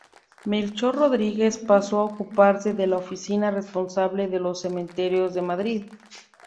Melchor Rodríguez pasó a ocuparse de la oficina responsable de los cementerios de Madrid.